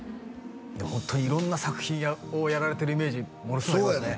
ホント色んな作品をやられてるイメージものすごいありますね